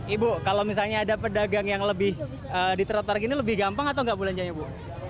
ibu kalau misalnya ada pedagang yang lebih di trotoar gini lebih gampang atau nggak bulan jaya bu